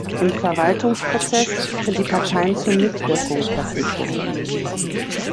Im Verwaltungsprozess sind die Parteien zur Mitwirkung verpflichtet.